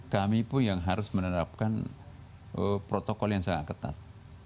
kami pun yang harus menerapkan protokol yang sangat ketat